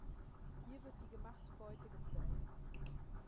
Hier wird die gemachte Beute gezählt.